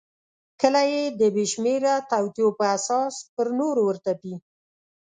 کله یې د بېشمیره توطیو په اساس پر نورو ورتپي.